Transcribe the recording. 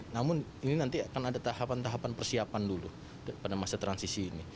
namun ini nanti akan ada tahapan tahapan persiapan dulu pada masa transisi ini